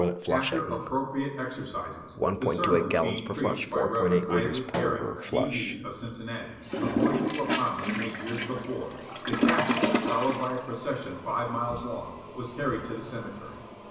After appropriate exercises, the sermon being preached by Rev. Isaac Errett, D.D., of Cincinnati, according to a promise made years before, the casket, followed by a procession five miles long, was carried to the cemetery.